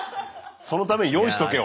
そのために用意しとけよ